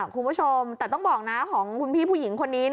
คุณผู้ชมแต่ต้องบอกนะของคุณพี่ผู้หญิงคนนี้